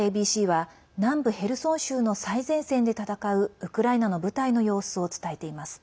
ＡＢＣは南部ヘルソン州の最前線で戦うウクライナの部隊の様子を伝えています。